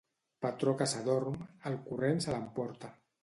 Patró que s'adorm, el corrent se l'emporta.